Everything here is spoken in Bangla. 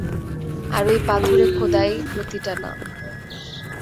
আর ঐ পাথরে খোদাই প্রতিটা নাম।